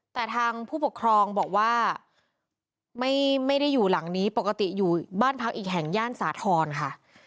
แต่ทางผู้ปกครองบอกว่าไม่ได้อยู่หลังนี้ปกติอยู่บ้านพักอีกแห่งย่านสาธรณ์ค่ะ